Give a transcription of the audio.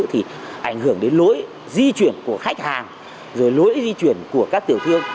thì ảnh hưởng đến lối di chuyển của khách hàng rồi lối di chuyển của các tiểu thương